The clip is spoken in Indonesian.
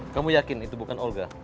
kamu yakin itu bukan orga